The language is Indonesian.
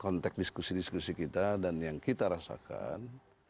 konteks diskusi diskusi kita dan yang kita rasakan